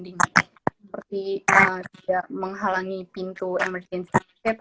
seperti tidak menghalangi pintu emergency cap